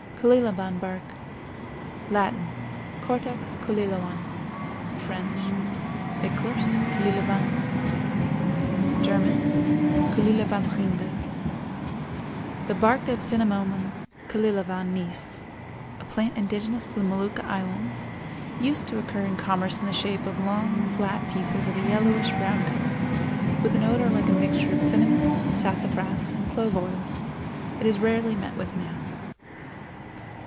CULILABAN BARK. Latin—Cortex Culilavan; French—Ecorce culilaban; German—Kulilabanrinde. The bark of Cinnamomum Culilavan Nees, a plant indigenous to the Molucca islands, used to occur in commerce in the shape of long, flat pieces of a yellowish brown color, with an odor like a mixture of cinnamon, sassafras, and clove oils. It is rarely met with now.